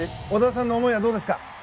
織田さんの思いはどうですか？